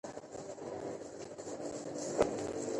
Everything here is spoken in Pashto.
هغه پېښه یې ځوراوه.